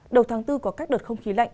đầu tháng bốn có các đợt không khí lạnh